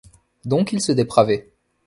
Donc il se dépravait.